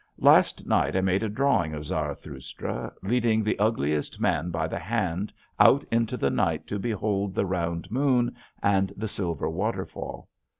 Last night I made a drawing of Zarathustra leading the ugliest man by the hand out into the night to behold the round moon and the silver waterfall.